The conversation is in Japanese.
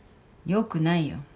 よくないよ。